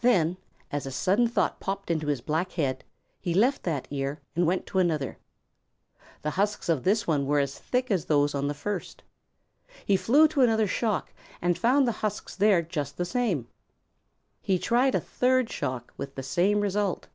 Then, as a sudden thought popped into his black head, he left that ear and went to another. The husks of this were as thick as those on the first. He flew to another shock and found the husks there just the same. He tried a third shock with the same result.